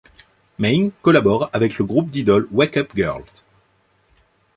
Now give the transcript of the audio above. May'n collabore avec le groupe d'idoles Wake Up, Girls!